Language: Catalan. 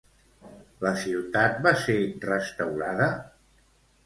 La ciutat va ser restaurada?